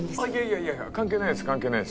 ・いやいや関係ないです